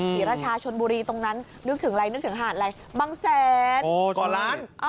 หรือราชาชนบุรีตรงนั้นนึกถึงอะไรนึกถึงหาดอะไรบางแสน